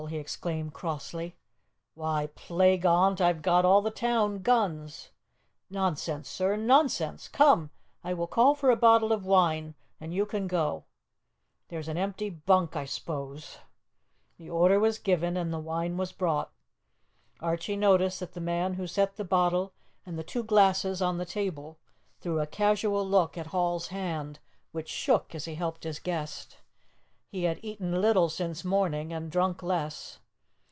he exclaimed crossly. "Why, plague on't, I've got all the town guns! Nonsense, sir no'sense! Come, I will call for a bottle of wine, 'n you can go. There's an empty bunk, I s'pose." The order was given and the wine was brought. Archie noticed that the man who set the bottle and the two glasses on the table threw a casual look at Hall's hand, which shook as he helped his guest. He had eaten little since morning, and drunk less.